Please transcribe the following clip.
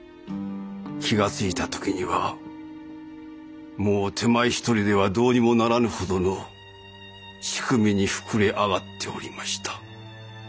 気が付いた時にはもう手前一人ではどうにもならぬほどの組織に膨れ上がっておりました。